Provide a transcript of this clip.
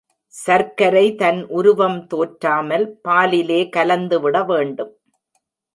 சர்க்கரை தன் உருவம் தோற்றாமல் பாலிலே கலந்துவிட வேண்டும்.